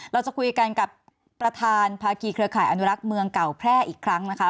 เราจะคุยกันกับประธานภาคีเครือข่ายอนุรักษ์เมืองเก่าแพร่อีกครั้งนะคะ